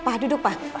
pa duduk pa